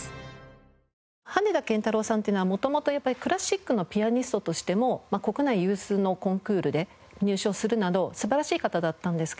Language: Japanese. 羽田健太郎さんっていうのは元々やっぱりクラシックのピアニストとしても国内有数のコンクールで入賞するなど素晴らしい方だったんですけど。